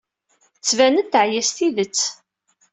Tettban-d teɛya s tidet.